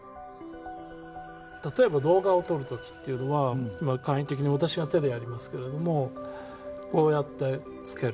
例えば動画を撮る時っていうのは簡易的に私が手でやりますけれどもこうやってつける。